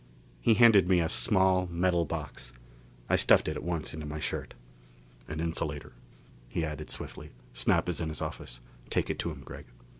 He handed me a small metal box. I stuffed it at once into my shirt. "An insulator," he added swiftly. "Snap is in his office. Take it to him, Gregg.